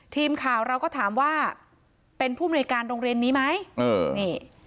ทีมข่าวเราก็ถามว่าเป็นผู้มนุยการโรงเรียนนี้ไหมเออนี่